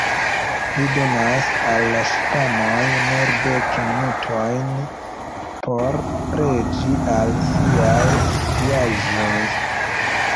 Li donas al la ŝipanoj nur dek minutojn por preĝi al siaj diaĵoj.